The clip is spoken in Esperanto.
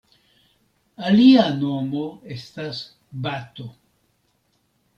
Alia nomo estas bato.